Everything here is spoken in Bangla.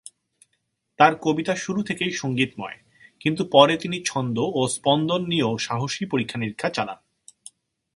তার কবিতা শুরু থেকেই সঙ্গীতময়, কিন্তু পরে তিনি ছন্দ ও স্পন্দন নিয়েও সাহসী পরীক্ষা-নিরীক্ষা চালান।